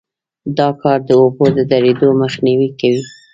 دا کار د اوبو د درېدو مخنیوی کوي